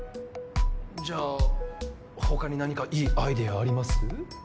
じゃあ他に何かいいアイデアあります？